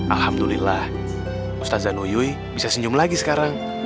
alhamdulillah ustazah nuyuy bisa senyum lagi sekarang